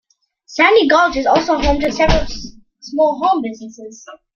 Sandy Gulch is also home to several small home businesses.